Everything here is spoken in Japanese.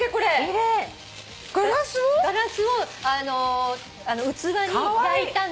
ガラスを器に焼いたんだ。